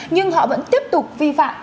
nhưng họ vẫn tiếp tục vi phạm